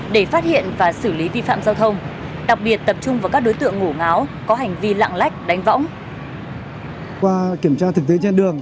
để phát hiện và xử lý vi phạm giao thông đặc biệt tập trung vào các đối tượng ngủ ngáo có hành vi lạng lách đánh võng